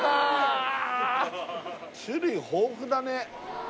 種類豊富だね